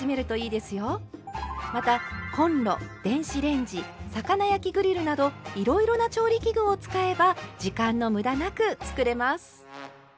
またコンロ電子レンジ魚焼きグリルなどいろいろな調理器具を使えば時間のむだなく作れます。